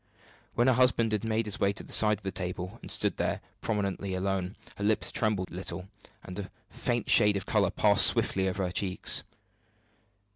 When her husband made his way to the side of the table and stood there prominently alone, her lips trembled a little, and a faint shade of color passed swiftly over her cheeks.